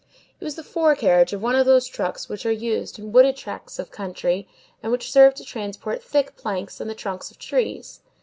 It was the fore carriage of one of those trucks which are used in wooded tracts of country, and which serve to transport thick planks and the trunks of trees.